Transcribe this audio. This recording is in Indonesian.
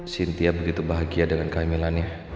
cynthia begitu bahagia dengan kehamilannya